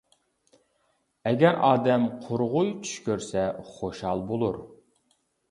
ئەگەر ئادەم قۇرغۇي چۈش كۆرسە، خۇشال بولۇر.